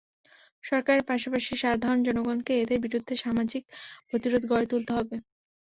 সরকারের পাশাপাশি সাধারণ জনগণকে এদের বিরুদ্ধে সামাজিক প্রতিরোধ গড়ে তুলতে হবে।